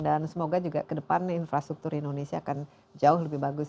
dan semoga juga kedepannya infrastruktur indonesia akan jauh lebih bagus